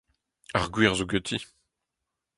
Ar gwir zo ganti.